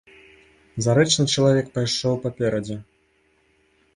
Зарэчны чалавек пайшоў паперадзе.